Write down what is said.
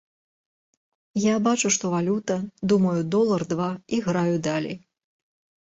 Я бачу, што валюта, думаю, долар, два, і граю далей.